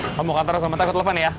kalau mau kantor sama telepon ya